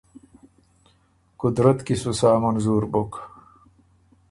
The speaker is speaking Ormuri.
قدرت کی سو سا منظور بُک۔